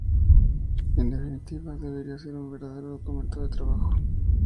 En definitiva, debería ser un verdadero documento de trabajo.